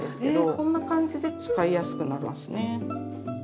そんな感じで使いやすくなりますね。